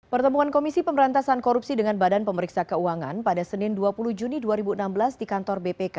pertemuan komisi pemberantasan korupsi dengan badan pemeriksa keuangan pada senin dua puluh juni dua ribu enam belas di kantor bpk